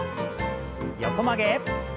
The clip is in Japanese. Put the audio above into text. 横曲げ。